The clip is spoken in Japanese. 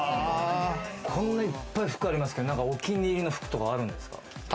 こんなに、いっぱい服がありますけど、お気に入りの服とかあるんですか？